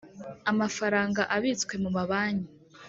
Amafaranga abitswe mu mabanki